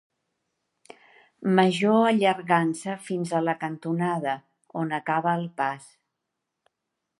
Major allargant-se fins a la cantonada, on acaba el pas.